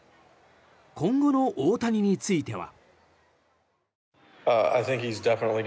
今後の大谷については。